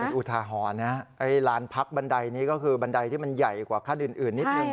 อุทาหรณ์นะไอ้ลานพักบันไดนี้ก็คือบันไดที่มันใหญ่กว่าขั้นอื่นนิดนึง